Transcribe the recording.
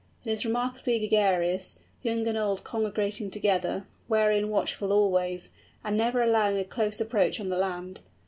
It is remarkably gregarious, young and old congregating together, wary and watchful always, and never allowing a close approach on the land.